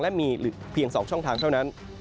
และมีเพียง๒ช่องทางเท่านั้น